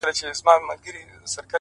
مُريد ښه دی ملگرو او که پير ښه دی،